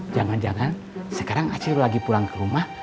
jangan jangan sekarang aceh lagi pulang ke rumah